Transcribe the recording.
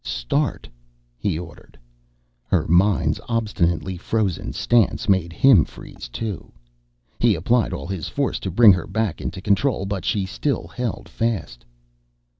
"Start," he ordered. Her mind's obstinately frozen stance made him freeze too. He applied all his force to bring her back into control, but she still held fast.